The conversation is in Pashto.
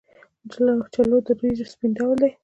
چلو د وریجو سپین ډول دی.